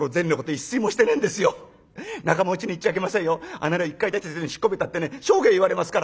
『あの野郎一回出した銭引っ込めた』ってね生涯言われますから」。